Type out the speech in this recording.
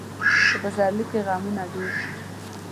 په پسرلي کې غمونه ډېر وي.